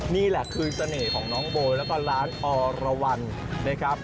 นี่แหละคือเสน่ห์ของน้องโบแล้วก็ร้านอรวรรณนะครับ